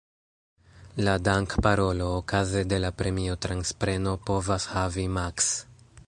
La dank-"parolo" okaze de la premio-transpreno povas havi maks.